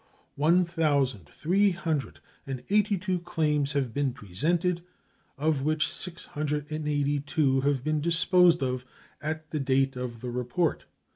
One thousand three hundred and eighty two claims have been presented, of which 682 had been disposed of at the date of the report.